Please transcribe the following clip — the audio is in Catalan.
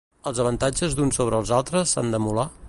Els avantatges d'uns sobre els altres s'han d'emular?